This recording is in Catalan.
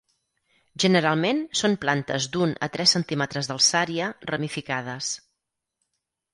Generalment són plantes d'un a tres centímetres d'alçària, ramificades.